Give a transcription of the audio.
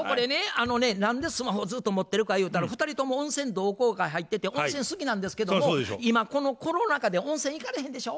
あのね何でスマホずっと持ってるかゆうたら２人とも温泉同好会入ってて温泉好きなんですけども今このコロナ禍で温泉行かれへんでしょ？